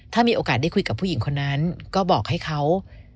ถ้ามีโอกาสได้คุยกับผู้หญิงคนนั้นก็บอกให้เขา